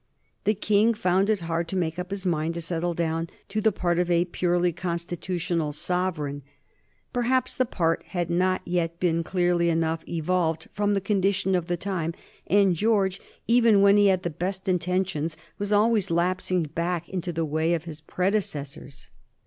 The King found it hard to make up his mind to settle down to the part of a purely constitutional sovereign. Perhaps the part had not yet been clearly enough evolved from the conditions of the time, and George, even when he had the best intentions, was always lapsing back into the way of his predecessors.